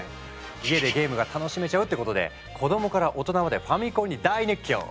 家でゲームが楽しめちゃうってことで子供から大人までファミコンに大熱狂。